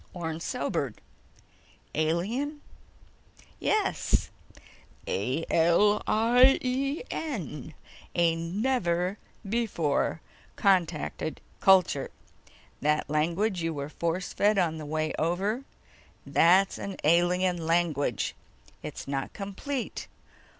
Orne sobered. "Alien?" "Yes. A L I E N! A never before contacted culture. That language you were force fed on the way over, that's an alien language. It's not complete